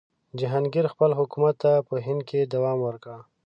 جهانګیر خپل حکومت ته په هند کې دوام ورکړ.